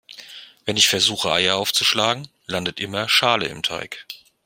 Wenn ich versuche Eier aufzuschlagen, landet immer Schale im Teig.